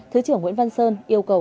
thứ trưởng nguyễn văn sơn yêu cầu